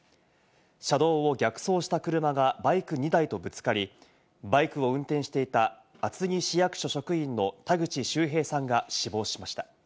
車道を逆走した車がバイク２台とぶつかり、バイクを運転していた、厚木市役所職員の田口周平さんが死亡しました。